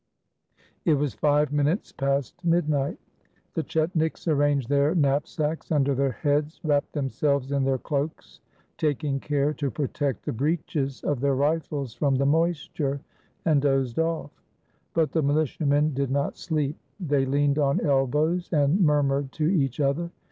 It was five minutes past midnight. The chetniks arranged their knapsacks under their heads, wrapped themselves in their cloaks, taking care to pro tect the breeches of their rifles from the moisture, and dozed off. But the militiamen did not sleep. They leaned on elbows and murmured to each other.